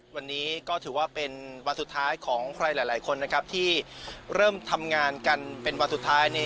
วันนี้ก็ถือว่าเป็นวันสุดท้ายของใครหลายคนนะครับที่เริ่มทำงานกันเป็นวันสุดท้าย